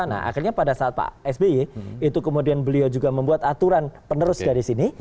nah akhirnya pada saat pak sby itu kemudian beliau juga membuat aturan penerus dari sini